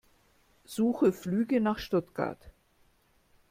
Suche Flüge nach Stuttgart.